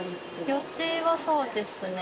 予定はそうですね。